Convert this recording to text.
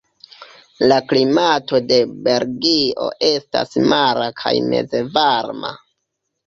La klimato de Belgio estas mara kaj mezvarma.